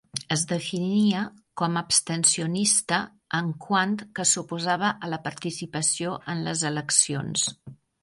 Es definia com abstencionista en quant que s'oposava a la participació en les eleccions.